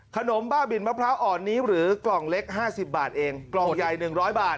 บ้าบินมะพร้าวอ่อนนี้หรือกล่องเล็ก๕๐บาทเองกล่องใหญ่๑๐๐บาท